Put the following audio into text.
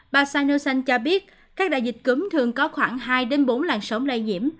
bà sanosan cho biết các đại dịch cúm thường có khoảng hai bốn làn sóng lây nhiễm